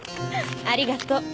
ありがと